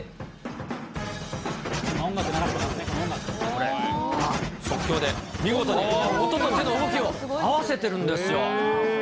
これ、即興で見事に、音と手の動きを合わせてるんですよ。